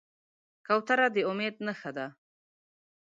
کوتره د امید نښه ده.